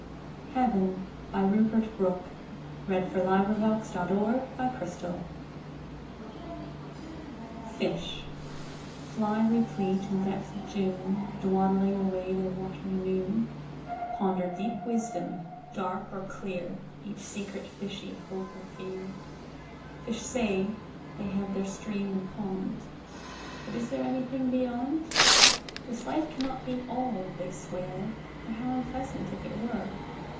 idgwick & Jackson, June 6, 1915): 27 28. PR 6003 R4N5 Robarts Library 1Fish (fly replete, in depth of June,2Dawdling away their wat'ry noon)3Ponder deep wisdom, dark or clear,4Each secret fishy hope or fear.5Fish say, they have their Stream and Pond;6But is there anything Beyond?7This life cannot be All, they swear,8For how unpleasant, if it were!